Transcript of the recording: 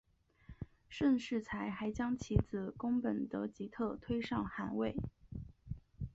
盛世才还将其子恭本德吉特推上汗位。